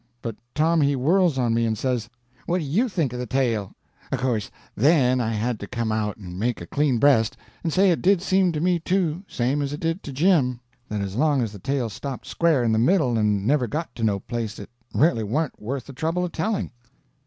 But Tom he whirls on me and says: "What do you think of the tale?" Of course, then, I had to come out and make a clean breast and say it did seem to me, too, same as it did to Jim, that as long as the tale stopped square in the middle and never got to no place, it really warn't worth the trouble of telling.